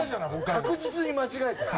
確実に間違えたよ。